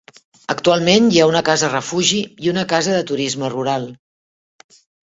Actualment hi ha una casa refugi i una casa de turisme rural.